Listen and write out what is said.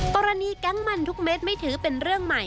แก๊งมันทุกเม็ดไม่ถือเป็นเรื่องใหม่